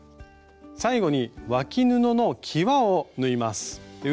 最後にわき布のきわを縫います。